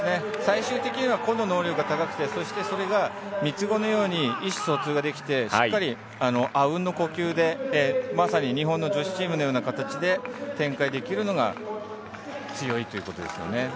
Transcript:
最終的にはこの能力が高くてそしてそれが三つ子のように意思疎通ができてしっかりあうんの呼吸でまさに日本の女子チームのような形で展開できるのが強いということですよね。